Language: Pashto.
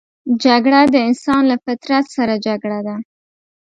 جګړه د انسان له فطرت سره جګړه ده